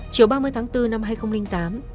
chiều ba mươi tháng bốn năm hai nghìn tám